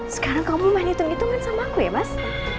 sekarang kamu main hitung hitungan sama aku ya mas